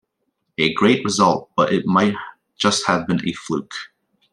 A great result, but it might just have been a fluke.